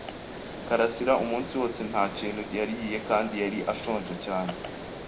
karasira umunsi wose nta kintu yariye kandi yari ashonje cyane.